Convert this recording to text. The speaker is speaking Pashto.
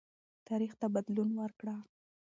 تاریخ ته بدلون ورکړه.